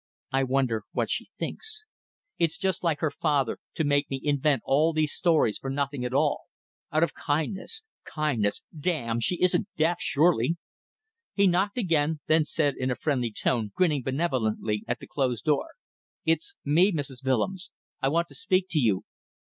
I wonder what she thinks. It's just like father to make me invent all these stories for nothing at all. Out of kindness. Kindness! Damn! ... She isn't deaf, surely. He knocked again, then said in a friendly tone, grinning benevolently at the closed door "It's me, Mrs. Willems. I want to speak to you.